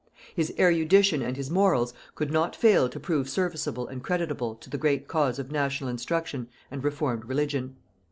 His erudition and his morals could not fail to prove serviceable and creditable to the great cause of national instruction and reformed religion.